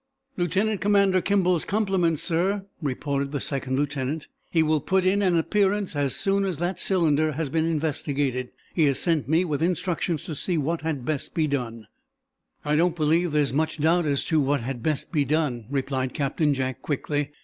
"Lieutenant Commander Kimball's compliments, sir," reported the second lieutenant. "He will put in an appearance as soon as that cylinder has been investigated. He has sent me with instructions to see what had best be done." "I don't believe there's much doubt as to what had best be done," replied Captain Jack, quickly.